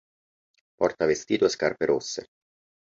Porta vestito e scarpe rosse.